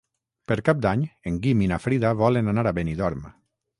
Per Cap d'Any en Guim i na Frida volen anar a Benidorm.